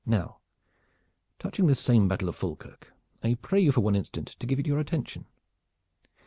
Now touching this same battle of Falkirk, I pray you for one instant to give it your attention."